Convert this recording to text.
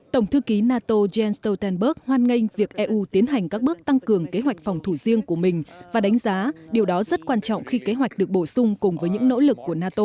tổng thư ký nato jens stoltenberg hoan nghênh việc eu tiến hành các bước tăng cường kế hoạch phòng thủ riêng của mình và đánh giá điều đó rất quan trọng khi kế hoạch được bổ sung cùng với những nỗ lực của nato